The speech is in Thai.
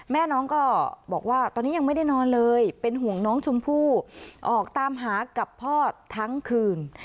แม่น้องก็บอกว่าตอนนี้ยังไม่ได้นอนเลยเป็นห่วงน้องชมพู่ออกตามหากับพ่อทั้งคืน